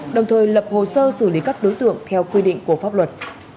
đồng thời lập hồ sơ xử lý các đối tượng theo quy định của pháp luật